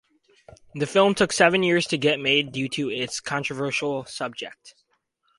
The film took seven years to get made due to its controversial subject.